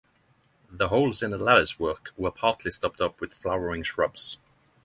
The holes in the latticework were partly stopped up with flowering shrubs.